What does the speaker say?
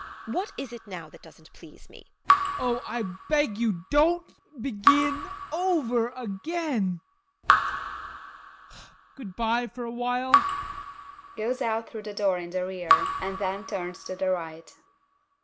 What is it now that doesn't please me? ADOLPH. Oh, I beg you, don't begin over again Good bye for a while! (Goes out through the door in the rear and then turns to the right.)